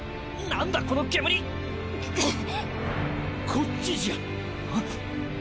・こっちじゃ・ん？